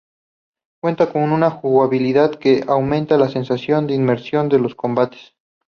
Cuenta con una jugabilidad que aumenta la sensación de inmersión en los combates.